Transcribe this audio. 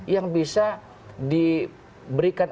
yang bisa diberikan